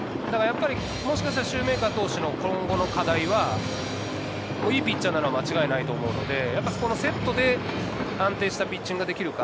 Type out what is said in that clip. もしかしたらシューメーカー投手の今後の課題はいいピッチャーなのは間違いないと思うので、セットで安定したピッチングができるか。